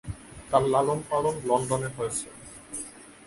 তার লালনপালন লন্ডনে হয়েছে।